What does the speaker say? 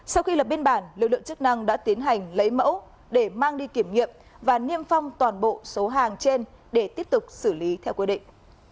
sau khi lập biên bản lực lượng chức năng đã tiến hành lấy mẫu để mang đi kiểm nghiệm và niêm phong toàn bộ số hàng trên để tiếp tục xử lý theo quy định